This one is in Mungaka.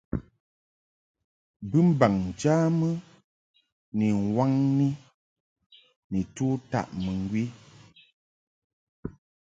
Bɨmbaŋ njamɨ ka nwaŋni nitu taʼ mɨŋgwi.